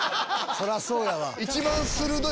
そりゃそうやわ。